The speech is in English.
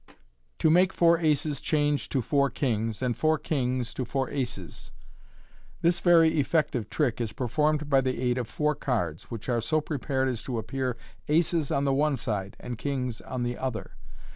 To make Four Aces changb to Four Kings, and Four Kings to Four Aces. — This very effective trick is performed by the aid of four cards, which are so prepared as to appear aces on the one side and kings on the other.